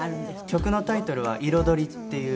曲のタイトルは『彩り』っていう。